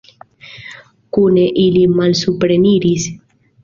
Kune ili malsupreniris.